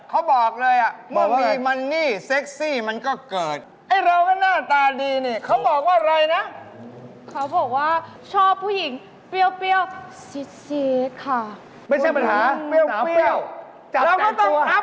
เอาอย่างนี้หมายถึงไงเล่าอีกทีสิคะ